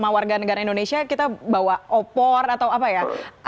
karena warga negara indonesia kita bawa opor atau apa ya